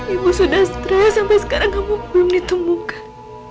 ibu sudah stro sampai sekarang kamu belum ditemukan